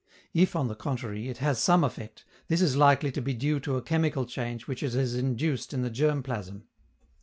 If, on the contrary, it has some effect, this is likely to be due to a chemical change which it has induced in the germ plasm.